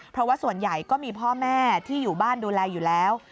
เพราะว่าส่วนใหญ่ก็มีพ่อแม่ที่อยู่บ้านดูแลอยู่แล้ว